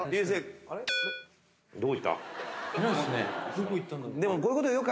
・どこ行ったんだろう。